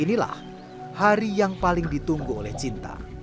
inilah hari yang paling ditunggu oleh cinta